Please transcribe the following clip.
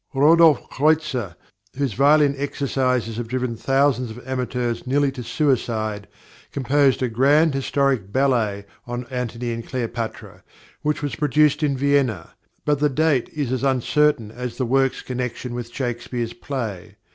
+Rodolphe Kreutzer+, whose violin exercises have driven thousands of amateurs nearly to suicide, composed a "Grand Historic Ballet" on Antony and Cleopatra, which was produced in Vienna, but the date is as uncertain as the work's connection with Shakespeare's play.